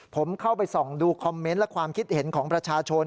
ผมเข้าไปส่องดูคอมเมนต์และความคิดเห็นของประชาชน